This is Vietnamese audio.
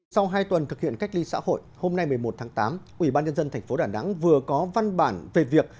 sau hai tuần thực hiện cách ly xã hội hôm nay một mươi một tháng tám ubnd tp đà nẵng vừa có văn bản về việc